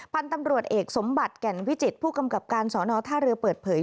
พันธุ์ตำรวจเอกสมบัติแก่นวิจิตรผู้กำกับการสอนอท่าเรือเปิดเผย